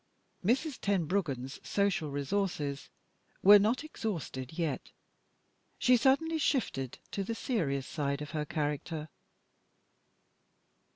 Mrs. Tenbruggen's social resources were not exhausted yet. She suddenly shifted to the serious side of her character.